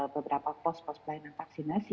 beberapa pos pos pelayanan vaksinasi